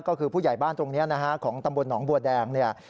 ก็คือผู้ใหญ่บ้านตรงนี้นะฮะของตำบลหนองบัวแดงเนี่ย